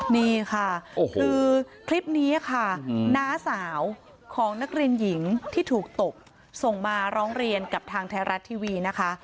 นี่ค่ะคือคลิปนี้ค่ะน้าสาวของนักเรียนหญิงที่ถูกตบส่งมาร้องเรียนกับทางไทยรัฐทีวีนะคะ